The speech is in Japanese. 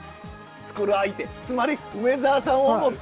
作る相手つまり梅沢さんを思って。